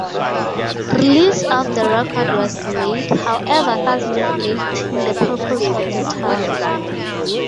Release of the record was delayed, however, thus negating the purpose of the tour.